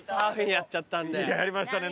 やりましたね。